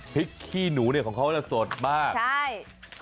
พริกขี้หนูเนี่ยของเขาจะสดมากใช่